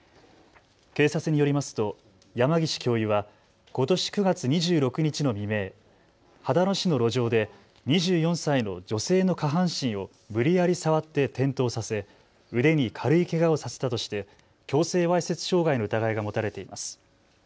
警察によりますと山岸教諭はことし９月２６日の未明、秦野市の路上で２４歳の女性の下半身を無理やり触って転倒させ腕に軽いけがをさせたとして強制わいせつ傷害の疑いが持たれています。